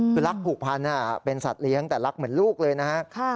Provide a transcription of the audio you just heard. คือรักผูกพันเป็นสัตว์เลี้ยงแต่รักเหมือนลูกเลยนะฮะ